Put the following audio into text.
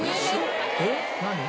えっ何？